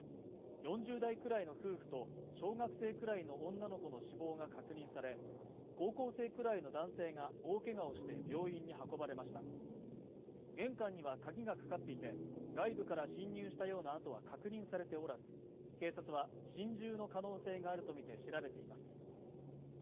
４０代くらいの夫婦と小学生くらいの女の子の死亡が確認され高校生くらいの男性が大けがをして病院に運ばれました玄関には鍵がかかっていて外部から侵入したような跡は確認されておらず警察は心中の可能性があるとみて調べています